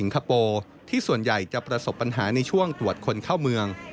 การสวดคนเข้าเมือง